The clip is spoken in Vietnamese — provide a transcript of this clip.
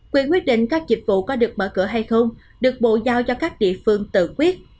quyền quyết định các dịch vụ có được mở cửa hay không được bộ giao cho các địa phương tự quyết